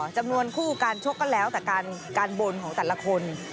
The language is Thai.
จำนวนคู่การชกก็แล้วแต่การบนของแต่ละคน